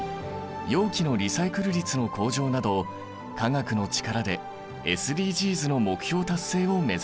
容器のリサイクル率の向上など化学の力でＳＤＧｓの目標達成を目指している。